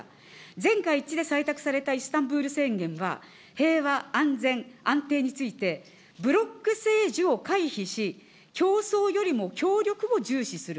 全会一致で採択されたイスタンブール宣言は、平和、安全、安定について、ブロック政治を回避し、競争よりも協力を重視する。